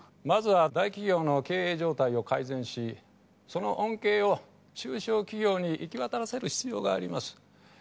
まずは大企業の経営状態を改善しその恩恵を中小企業に行き渡らせる必要があります。